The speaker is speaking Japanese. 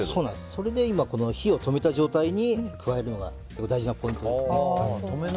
それで火を止めた状態で加えるのが大事なポイントですね。